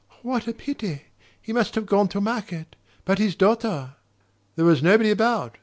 "What a pity! He must have gone to market. But his daughter ?" "There was nobody about.